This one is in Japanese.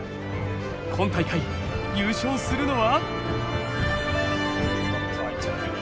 今大会優勝するのは？